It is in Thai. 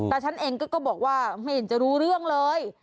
แต่ฉันเองก็บอกว่าไม่เห็นจะรู้เรื่องเลย